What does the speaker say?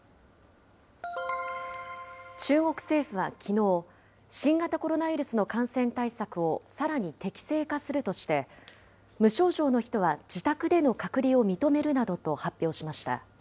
中国政府はきのう、新型コロナウイルスの感染対策をさらに適正化するとして、無症状の人は自宅での隔離を認めるなどと発表しました。